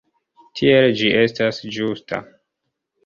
Tiel ĝi estas ĝusta.